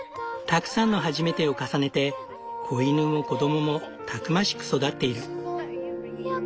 たくさんの初めてを重ねて子犬も子供もたくましく育っている。